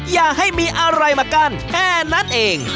อย่าให้มีอะไรมากั้นแค่นั้นเอง